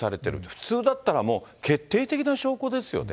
普通だったら、もう決定的な証拠ですよね。